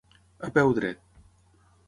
A peu dret.